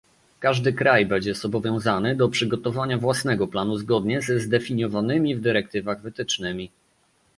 Każdy kraj będzie zobowiązany do przygotowania własnego planu zgodnie ze zdefiniowanymi w dyrektywach wytycznymi